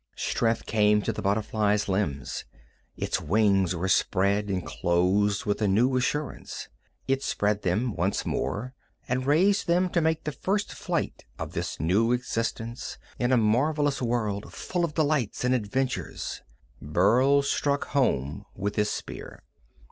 Strength came to the butterfly's limbs. Its wings were spread and closed with a new assurance. It spread them once more, and raised them to make the first flight of this new existence in a marvelous world, full of delights and adventures Burl struck home with his spear.